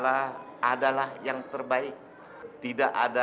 orang ada yang bersikap tidak datang